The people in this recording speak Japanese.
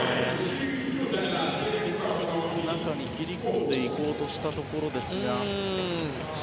中に切り込んでいこうとしたところですが。